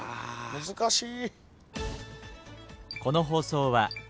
難しい！